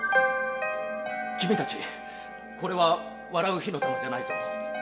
きみたちこれは「笑う火の玉」じゃないぞ。